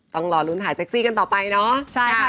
ต้องรอลุ้นถ่ายเซ็กซี่กันต่อไปเนาะ